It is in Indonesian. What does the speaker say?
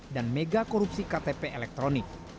dan megakorupsi ktp elektronik